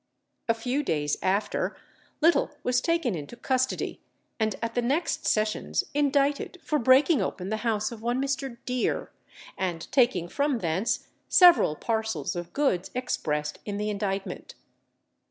A few days after, Little was taken into custody, and at the next sessions indicted for breaking open the house of one Mr. Deer, and taking from thence several parcels of goods expressed in the indictment.